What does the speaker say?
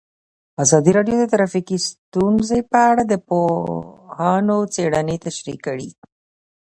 ازادي راډیو د ټرافیکي ستونزې په اړه د پوهانو څېړنې تشریح کړې.